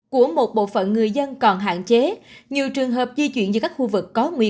của một bộ phận người dân còn hạn chế nhiều trường hợp di chuyển giữa các khu vực có nguy cơ